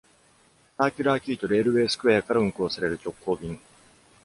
サーキュラー・キーとレールウェイ・スクウェアから運行される直行便。